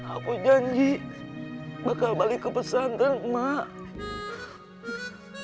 aku janji bakal balik ke pesantren mak